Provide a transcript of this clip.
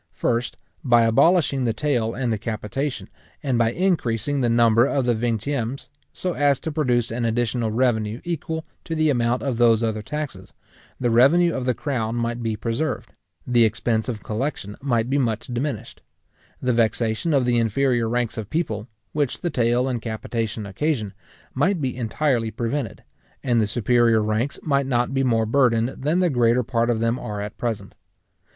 First, by abolishing the taille and the capitation, and by increasing the number of the vingtiemes, so as to produce an additional revenue equal to the amount of those other taxes, the revenue of the crown might be preserved; the expense of collection might be much diminished; the vexation of the inferior ranks of people, which the taille and capitation occasion, might be entirely prevented; and the superior ranks might not be more burdened than the greater part of them are at present.